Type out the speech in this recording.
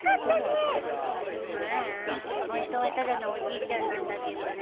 ううんホントはただのおじいちゃんなんだけどね。